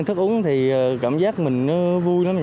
thức uống thì cảm giác mình vui lắm